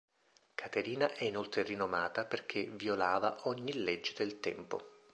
Caterina è inoltre rinomata perché violava ogni legge del tempo.